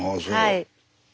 はい。